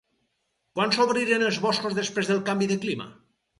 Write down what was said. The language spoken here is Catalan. Quan s'obriren els boscos després del canvi de clima?